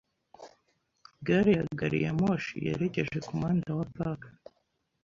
Gare ya gari ya moshi yerekeje kumuhanda wa Park .